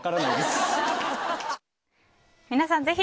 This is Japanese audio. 皆さん